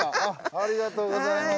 ありがとうございます。